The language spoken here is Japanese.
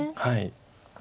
はい。